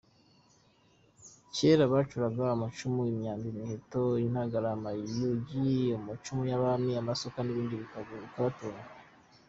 Cyera bacuraga amacumu, imyambi imiheto, intagara, amayugi, amacumu y’abami, amasuka n’ibindi bikabatunga.